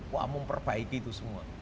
wah memperbaiki itu semua